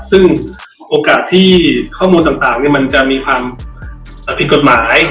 ซึ่งโอกาสที่ข้อมูลต่างมันจะมีความผิดกฎหมาย